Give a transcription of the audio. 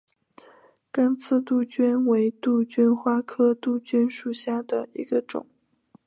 刚刺杜鹃为杜鹃花科杜鹃属下的一个种。